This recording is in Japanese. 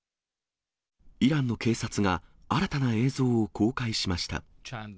イランの警察が新たな映像を公開しました。